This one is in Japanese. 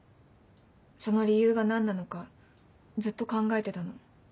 その理由が何なのかずっと考えてたの。